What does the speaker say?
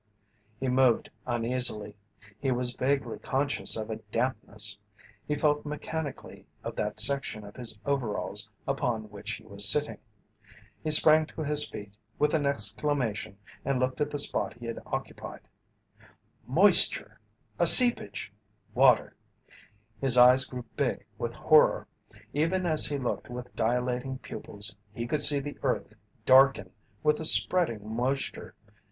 He moved uneasily. He was vaguely conscious of a dampness. He felt mechanically of that section of his overalls upon which he was sitting. He sprang to his feet with an exclamation and looked at the spot he had occupied. Moisture! A seepage! Water! His eyes grew big with horror. Even as he looked with dilating pupils he could see the earth darken with the spreading moisture.